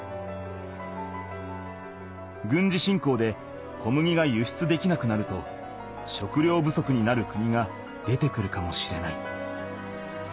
軍事侵攻で小麦が輸出できなくなると食料不足になる国が出てくるかもしれない。